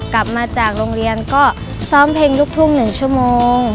กลับมาจากโรงเรียนก็ซ้อมเพลงลูกทุ่ง๑ชั่วโมง